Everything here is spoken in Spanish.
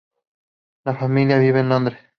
La familia vive en Londres.